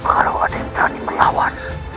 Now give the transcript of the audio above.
kalau ada yang berani melawan